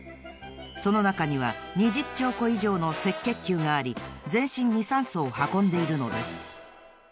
そのなかには２０ちょうこいじょうの赤血球があり全身に酸素を運んでいるのです。